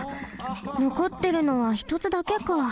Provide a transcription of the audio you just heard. のこってるのはひとつだけか。